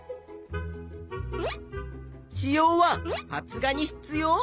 子葉は発芽に必要？